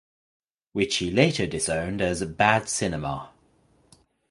Which he later disowned as "Bad cinema".